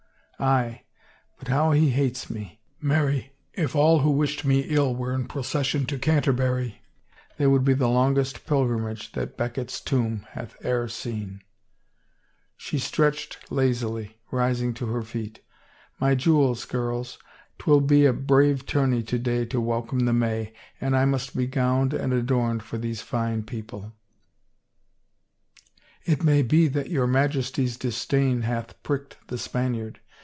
Aye, but how he hates me. Marry, if all who wished me ill were in procession to Canterbury they would be the longest pilgrimage that Becket's tomb hath e'er seen !" She stretched lazily, rising to her feet. " My jewels, girls. 'Twill be a brave tourney to day to welcome the May and I must be gowned and adorned for these fine people." " It may be that your Majesty's disdain hath pricked the Spaniard.